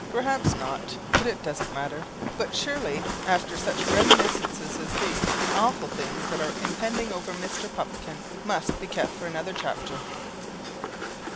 Perhaps not, but it doesn't matter. But surely after such reminiscences as these the awful things that are impending over Mr. Pupkin must be kept for another chapter.